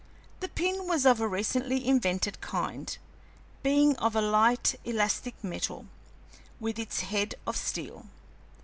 The pin was of a recently invented kind, being of a light, elastic metal, with its head of steel.